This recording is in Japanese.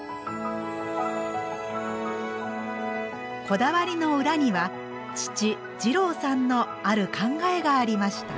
こだわりの裏には父二朗さんのある考えがありました。